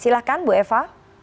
silahkan ibu eva